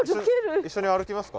一緒に歩きますか？